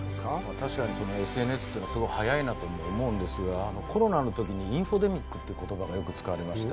私はＳＮＳというのはすごく速いなと思うんですが、コロナのときにインフォデミックという言葉がよく使われました。